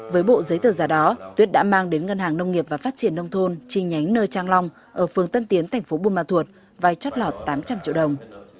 với bộ giấy tờ giả đó tuyết đã mang đến ngân hàng nông nghiệp và phát triển nông thôn chi nhánh nơi trang long ở phường tân tiến thành phố buôn ma thuột vai chót lọt tám trăm linh triệu đồng